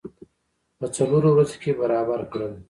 په څلورو ورځو کې برابر کړل.